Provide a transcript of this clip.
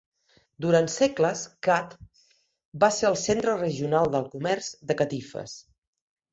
Durant segles, Kut va ser el centre regional del comerç de catifes.